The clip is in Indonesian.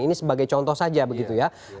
ini sebagai contoh saja begitu ya